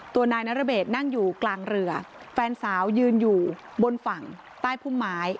นายนรเบศนั่งอยู่กลางเรือแฟนสาวยืนอยู่บนฝั่งใต้พุ่มไม้